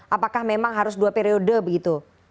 apakah memang harus dua periode begitu